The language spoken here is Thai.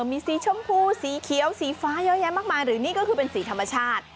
มีสีชมพูสีเขียวสีฟ้าเยอะแยะมากมายหรือนี่ก็คือเป็นสีธรรมชาติ